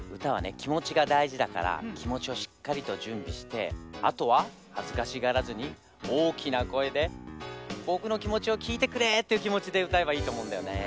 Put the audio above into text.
きもちがだいじだからきもちをしっかりとじゅんびしてあとははずかしがらずにおおきなこえでぼくのきもちをきいてくれっていうきもちでうたえばいいとおもうんだよねえ。